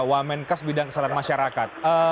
wamen kes bidang kesehatan masyarakat